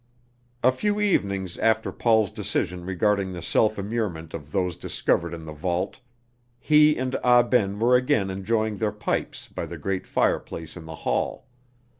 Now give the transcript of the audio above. A few evenings after Paul's decision regarding the self immurement of those discovered in the vault, he and Ah Ben were again enjoying their pipes by the great fireplace in the hall.